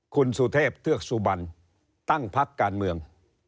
คุณสุเทพเทือกสุบันตั้งพักการเมือง